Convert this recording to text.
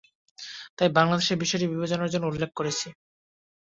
তাই বাংলাদেশের বিষয়টি বিবেচনার জন্য উল্লেখ করেছি।